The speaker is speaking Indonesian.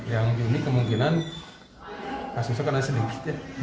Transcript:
yang juni kemungkinan kasusnya karena sedikit ya